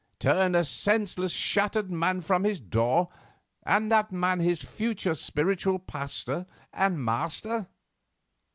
Turn a senseless, shattered man from his door, and that man his future spiritual pastor and master?"